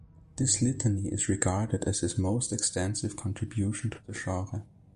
This litany is regarded as his "most extensive contribution" to the genre.